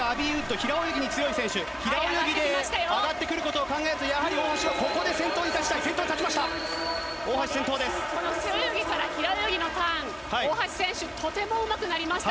平泳ぎで上がってくることを考えると、やはり大橋はここで先頭に立ちたい、先頭に立ちました。